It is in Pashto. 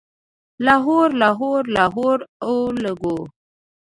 لاهور، لاهور، لاهور اولګوو